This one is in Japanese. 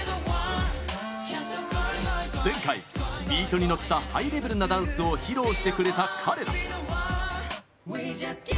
前回、ビートに乗ったハイレベルなダンスを披露してくれた彼ら。